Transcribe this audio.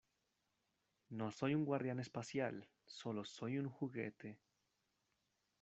No soy un guardián espacial. Sólo soy un juguete .